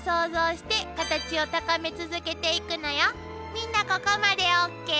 みんなここまでＯＫ？ＯＫ！